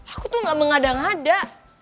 aku tuh gak mengada ngada